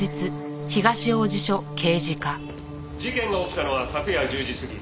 事件が起きたのは昨夜１０時過ぎ。